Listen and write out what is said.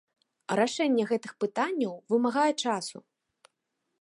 Рашэнне гэтых пытанняў вымагае часу.